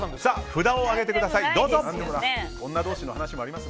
札を上げてください、どうぞ。